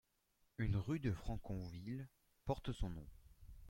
Une rue de Franconville porte son nom.